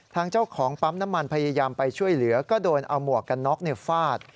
ทางเจ้าของปั๊มน้ำมันพยายามไปช่วยเหลือก็โดนเอาหมวกกันน็อกฟาด